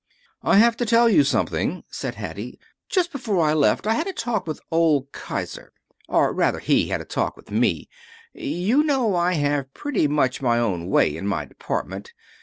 "I have something to tell you," said Hattie. "Just before I left I had a talk with old Kiser. Or rather, he had a talk with me. You know I have pretty much my own way in my department.